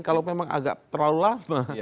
kalau memang agak terlalu lama